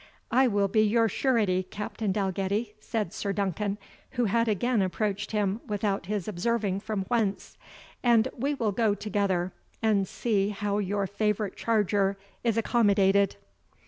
"I will be your surety, Captain Dalgetty," said Sir Duncan, who had again approached him without his observing from whence; "and we will go together, and see how your favourite charger is accommodated."